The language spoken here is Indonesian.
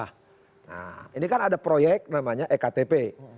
nah ini kan ada proyek namanya ektp